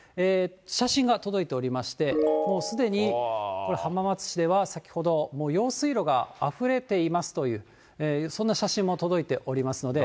写真が届いておりまして、もうすでに、これ、浜松市では先ほど、用水路があふれていますという、そんな写真も届いておりますので。